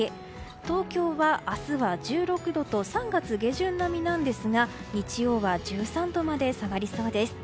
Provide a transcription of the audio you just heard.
東京は明日は１６度と３月下旬並みなんですが日曜は１３度まで下がりそうです。